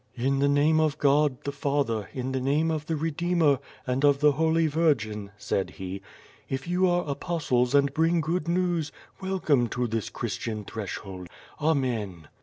"In the name of God, the Father, in the name of the Re deemer, and of the Holy Virgin," said he, "if you are apostles and bring good news, welcome to this Christian threshold, Amen!''